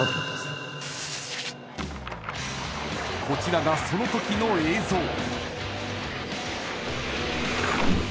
［こちらがそのときの映像］